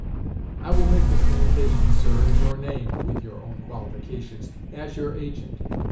"I will make the communication, sir, in your name (with your own qualifications), as your agent.